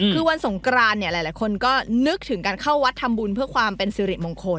คือวันสงกรานเนี่ยหลายคนก็นึกถึงการเข้าวัดทำบุญเพื่อความเป็นสิริมงคล